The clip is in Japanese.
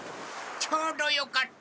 ちょうどよかった。